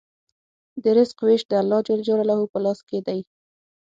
د رزق وېش د الله په لاس کې دی.